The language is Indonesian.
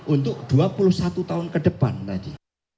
untuk dua puluh satu tahun ke depan tadi